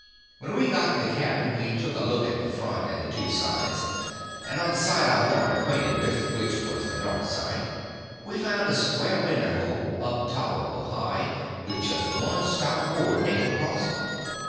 When we got to the cabin we took a look at the front and the two sides; and on the side I warn't acquainted with—which was the north side—we found a square window hole, up tolerable high, with just one stout board nailed across it.